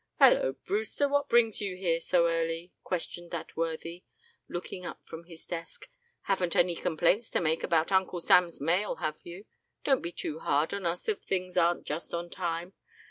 "Hello, Brewster, what brings you here so early?" questioned that worthy, looking up from his desk. "Haven't any complaints to make about Uncle Sam's mail, have you? Don't be too hard on us if things aren't just on time.